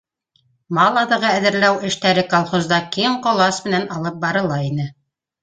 Мал аҙығы әҙерләү эштәре колхозда киң ҡолас менән алып барыла ине